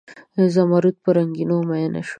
زمرود په رنګینیو میین شوي